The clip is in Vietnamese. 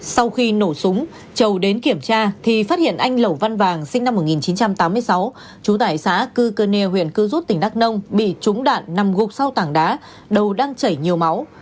sau khi nổ súng trầu đến kiểm tra thì phát hiện anh lẩu văn vàng sinh năm một nghìn chín trăm tám mươi sáu trú tại xã cư cơ neo huyện cư rút tỉnh đắk nông bị trúng đạn nằm gục sau tảng đá đầu đang chảy nhiều máu